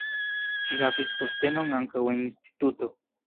Ŝi havis postenon ankaŭ en instituto.